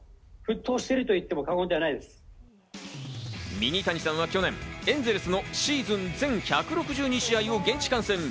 ミニタニさんは去年、エンゼルスのシーズン全１６２試合を現地観戦。